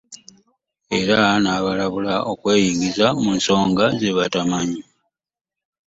Era n'abalabula okweyingiza mu nsonga ze batamanyi